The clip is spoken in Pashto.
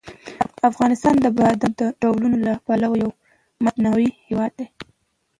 افغانستان د بادامو د ډولونو له پلوه یو متنوع هېواد دی.